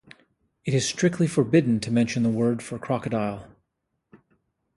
It is strictly forbidden to mention the word for crocodile.